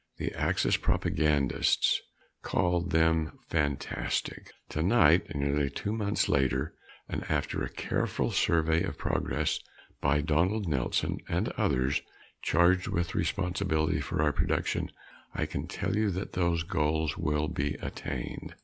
The Axis propagandists called them fantastic. Tonight, nearly two months later, and after a careful survey of progress by Donald Nelson and others charged with responsibility for our production, I can tell you that those goals will be attained.